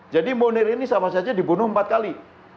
jadi munir ini sama saja dibunuh empat kali